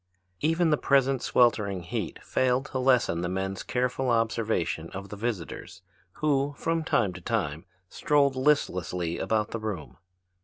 Even the present sweltering heat failed to lessen the men's careful observation of the visitors who, from time to time, strolled listlessly about the room.